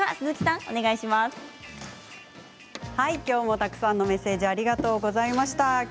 たくさんのメッセージありがとうございます。